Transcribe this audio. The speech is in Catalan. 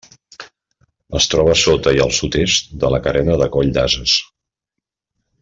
Es troba sota i al sud-est de la Carena de Coll d'Ases.